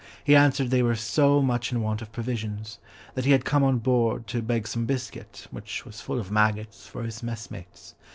He answered they were so much in want of provisions that he had come on board to beg some biscuit (which was full of maggots) for his messmates.